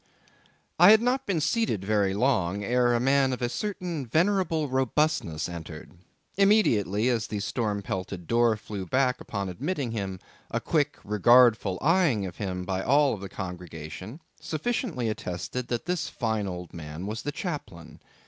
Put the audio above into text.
I had not been seated very long ere a man of a certain venerable robustness entered; immediately as the storm pelted door flew back upon admitting him, a quick regardful eyeing of him by all the congregation, sufficiently attested that this fine old man was the chaplain.